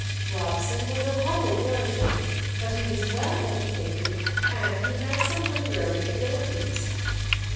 Robson was of humble origin, but he was well educated, and he had some literary abilities.